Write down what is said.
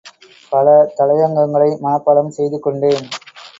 பல தலையங்கங்களை மனப்பாடம் செய்துகொண்டேன்.